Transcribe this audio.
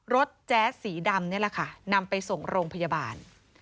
แจ๊สสีดำนี่แหละค่ะนำไปส่งโรงพยาบาล